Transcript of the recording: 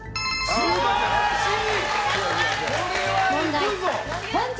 素晴らしい！